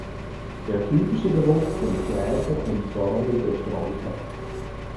Der typische Bewuchs sind Gräser und dornige Sträucher.